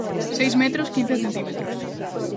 Seis metros quince centímetros.